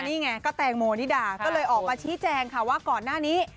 นี่ไงก็แตงโมนิดาก็เลยออกมาชี้แจงค่ะว่าก่อนหน้านี้